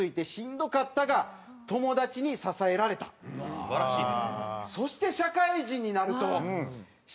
素晴らしいね。